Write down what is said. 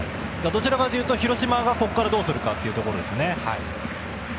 どちらかというと広島がここからどうするかですね。